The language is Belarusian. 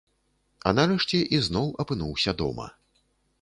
А нарэшце ізноў апынуўся дома.